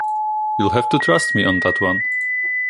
You'll have to trust me on that one.